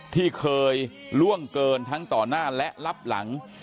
ที่เคยล่วงเกินทั้งต่อหน้าและรับหลัง